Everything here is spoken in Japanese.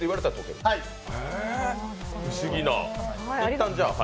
不思議な。